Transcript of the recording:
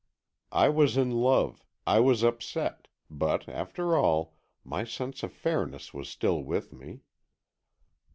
I was in love, I was upset, but after all, my sense of fairness was still with me.